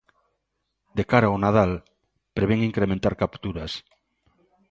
De cara ao Nadal prevén incrementar capturas.